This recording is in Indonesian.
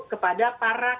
kepada para kandungan